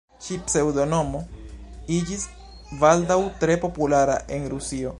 Ĉi-pseŭdonomo iĝis baldaŭ tre populara en Rusio.